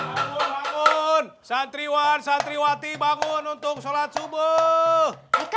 bangun santriwan santriwati bangun untuk sholat subuh